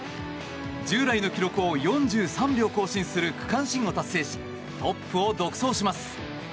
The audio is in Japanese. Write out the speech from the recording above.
従来の記録を４３秒更新する区間新を達成しトップを独走します。